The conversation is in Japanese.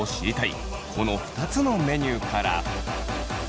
この２つのメニューから。